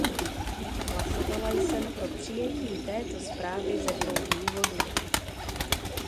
Hlasovala jsem pro přijetí této zprávy ze dvou důvodů.